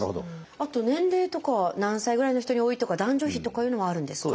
あと年齢とかは何歳ぐらいの人に多いとか男女比とかいうのもあるんですか？